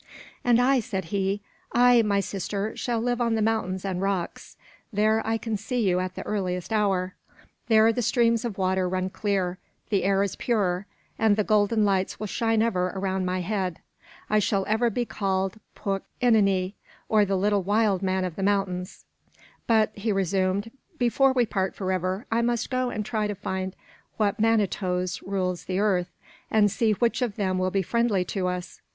"And I," said he, "I, my sister, shall live on the mountains and rocks. There I can see you at the earliest hour; there the streams of water run clear; the air is pure; and the golden lights will shine ever around my head. I shall ever be called 'Puck Ininee, or the Little Wild Man of the Mountains.' But," he resumed, "before we part forever, I must go and try to find what manitoes rule the earth, and see which of them will be friendly to us."